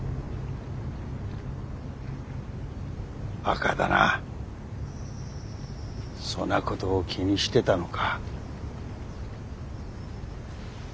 ばかだなそんなことを気にしてたのか？